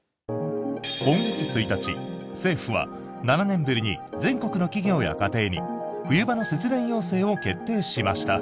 今月１日、政府は７年ぶりに全国の企業や家庭に冬場の節電要請を決定しました。